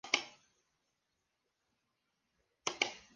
La pareja se divorcia cuando Jacques tiene solo nueve meses.